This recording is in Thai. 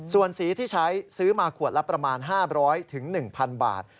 ส่วนสีที่ใช้ซื้อมาขวดละประมาณ๕๐๐๑๐๐บาท